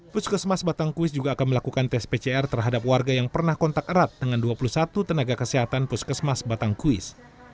puskesmas batangkuis juga akan melakukan tes pcr terhadap warga yang pernah kontak erat dengan dua puluh satu tenaga kesehatan puskesmas batangkuis